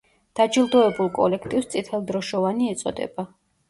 დაჯილდოებულ კოლექტივს „წითელდროშოვანი“ ეწოდება.